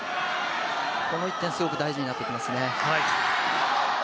この１点、すごく大事になってきますね。